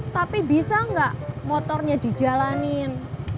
tapi bisa nggak motornya dijalanin